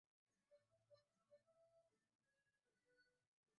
Él no tiene un papel oficial o estatal.